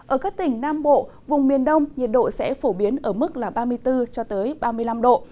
ở các tỉnh nam bộ vùng miền đông nhiệt độ sẽ phổ biến ở mức là ba mươi bốn ba mươi năm độ